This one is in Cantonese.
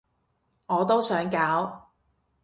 我都想搞